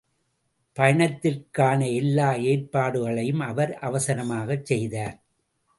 பயணத்திற்கான எல்லா ஏற்பாடுகளையும் அவர் அவசரமாகச் செய்தார்.